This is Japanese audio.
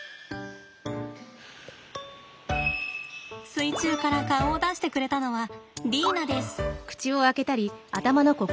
水中から顔を出してくれたのはリーナです。